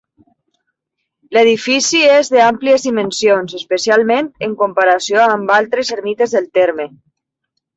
L'edifici és d'àmplies dimensions, especialment en comparació amb altres ermites del terme.